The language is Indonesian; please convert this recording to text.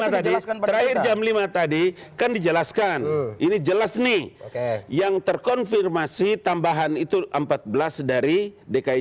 terakhir jam lima tadi kan dijelaskan ini jelas nih yang terkonfirmasi tambahan itu empat belas dari dki jakarta